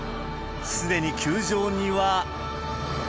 すでに球場には。